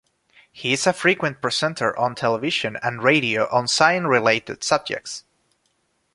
He is a frequent presenter on television and radio on science-related subjects.